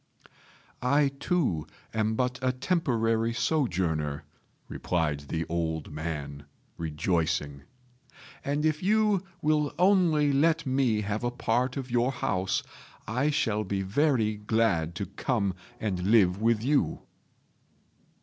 "I, too, am but a temporary sojourner," replied the old man, rejoicing; "and if you will only let me have a part of your house, I shall be very glad to come and live with you."